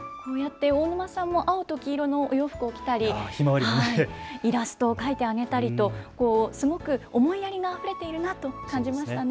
大沼さんも青と黄色のお洋服を着たりイラストを描いてあげたりと、すごく思いやりがあふれているなと感じましたね。